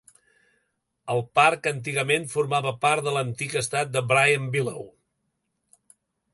El parc antigament formava part de l"antic estat de Bryan-Bellew.